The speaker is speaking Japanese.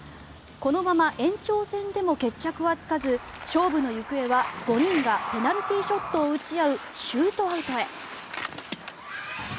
このまま延長戦でも決着はつかず勝負の行方は、５人がペナルティーショットを打ち合うシュートアウトへ。